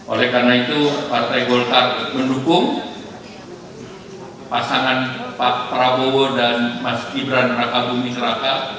oleh karena itu partai golkar mendukung pasangan pak prabowo dan mas gibran raka buming raka